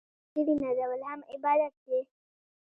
د پلار ملګري نازول هم عبادت دی.